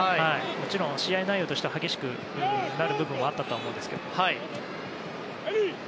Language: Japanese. もちろん、試合内容としては激しくなる部分はあったと思いますが。